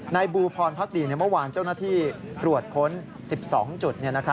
บูพรพักดีเมื่อวานเจ้าหน้าที่ตรวจค้น๑๒จุด